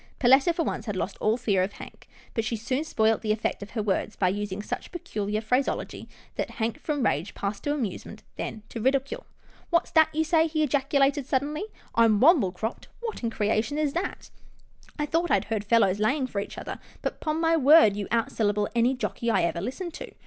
Perletta, for once, had lost all fear of Hank, but she soon spoilt the effect of her words, by using such peculiar phraseology that Hank from rage passed to amusement, and then to ridicule. " What's that you say? " he ejaculated, suddenly. " Fm * womblecropt '— what in creation is that ? I 158 'TILDA JANE'S ORPHANS thought I'd heard fellows laying for each other, but 'pon my word you out syllable any jockey I ever listened to.